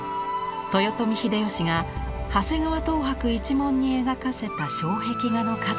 豊臣秀吉が長谷川等伯一門に描かせた障壁画の数々。